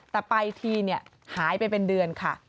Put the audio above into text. แต่ไปทีหายไปเป็นเดือนค่ะ